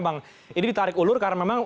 bang ini ditarik ulur karena memang